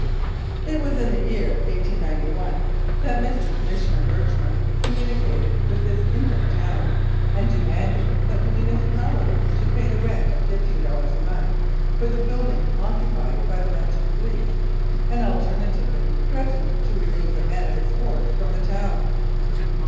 It was in the year 1891 that Mr. Commissioner 60 1888 89. Lethbridge Herchmer communicated with this infant town, and demanded that the municipality should pay the rent of fifteen dollars a month for the building occupied by the Mounted Police, and alternatively threatened to remove the men of his Force from the town.